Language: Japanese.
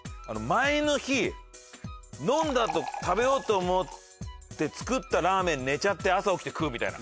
前の日飲んだあと食べようと思って作ったラーメン寝ちゃって朝起きて食うみたいな。